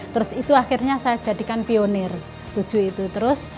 terus itu akhirnya saya jadikan pionir buju itu terus